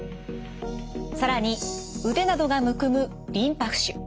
更に腕などがむくむリンパ浮腫。